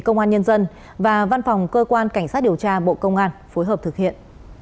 công an nhân dân và văn phòng cơ quan cảnh sát điều tra bộ công an phối hợp thực hiện